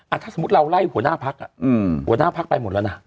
ถ้าสมมุติเราไล่หัวหน้าพักหัวหน้าพักไปหมดแล้วนะ